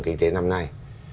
kinh tế năm nay